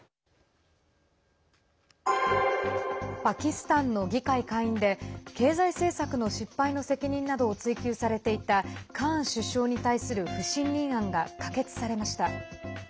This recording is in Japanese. パキスタンの議会下院で経済政策の失敗の責任などを追及されていたカーン首相に対する不信任案が可決されました。